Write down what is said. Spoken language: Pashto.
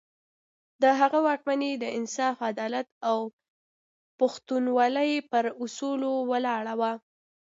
د هغه واکمني د انصاف، عدالت او پښتونولي پر اصولو ولاړه وه.